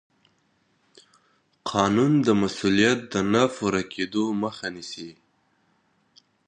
قانون د مسوولیت د نه پوره کېدو مخه نیسي.